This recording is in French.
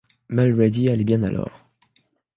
Mulrady allait bien alors.